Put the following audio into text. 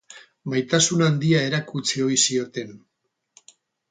Maitasun handia erakutsi ohi zioten.